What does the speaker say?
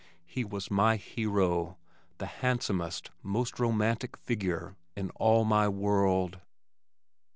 He was my hero, the handsomest, most romantic figure in all my world.